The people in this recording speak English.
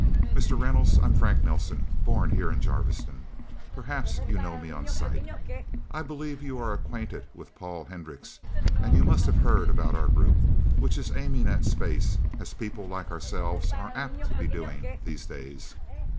"Mr. Reynolds I'm Frank Nelsen, born here in Jarviston. Perhaps you know me on sight. I believe you are acquainted with Paul Hendricks, and you must have heard about our group, which is aiming at space, as people like ourselves are apt to be doing, these days.